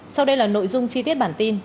sau đây là nội dung chi tiết bản tin